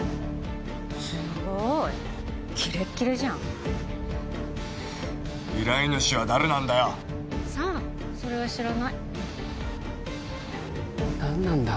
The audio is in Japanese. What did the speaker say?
すごいキレッキレじゃん依頼主は誰なんだよさあそれは知らない何なんだ